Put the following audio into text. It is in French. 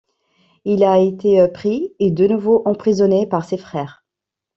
Il a été pris, et de nouveau emprisonné par ses frères.